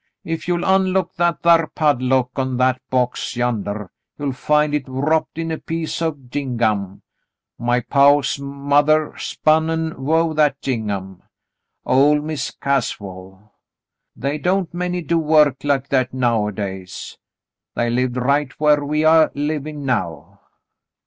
If you'll onlock that thar padlock on that box yander, you'll find it wropped in a piece o' gingham. My paw's mothah spun an' wove that gingham — ol' Miz Caswell. They don't many do work like that nowadays. They lived right whar we a' livin' now."